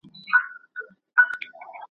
ټولو هېر کړل توپانونه توند بادونه !.